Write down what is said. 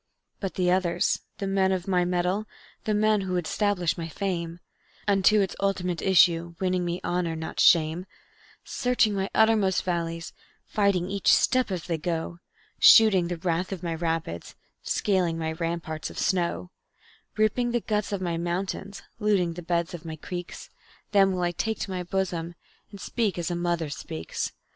"But the others, the men of my mettle, the men who would 'stablish my fame Unto its ultimate issue, winning me honor, not shame; Searching my uttermost valleys, fighting each step as they go, Shooting the wrath of my rapids, scaling my ramparts of snow; Ripping the guts of my mountains, looting the beds of my creeks, Them will I take to my bosom, and speak as a mother speaks.